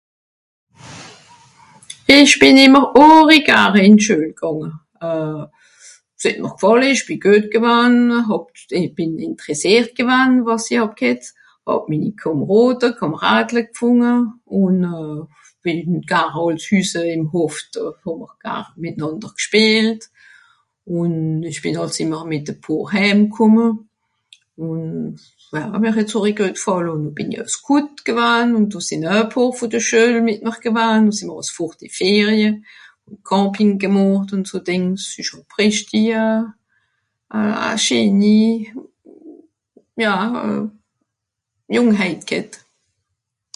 Ìch bìn ìmmer àri gare ìn d'Schüel gànge. Euh... s'het mr gfàlle, ìch bì güet gewann, hàb... bìn ìnteressìert gawann, wàs i hàb ghet. Hàb minni Kàmàràde, Kamaradle gfùnge, ùn euh... bìn ìm Carole s'Hüsse ìm Hoft hàà'mr gar mìtnànder gspìelt ùn euh... ìch bìn àls ìmmer mìt e pààr hääm kùmme, ùn (...) àri güet gfàlle ùn bìn i oe Scout gewann, ùn do sìn oe e pààr vùn de Schuel mìt mìr gewann, noh sìì'mr fùrt die Ferie, ùn Camping gemàcht ùn so Dìngs. Ìsch schùn prächti, a scheeni... ja euh... jùngheit ghet.